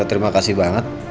gak terima kasih banget